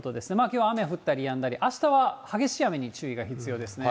きょうは雨降ったりやんだり、あしたは激しい雨に注意が必要ですね。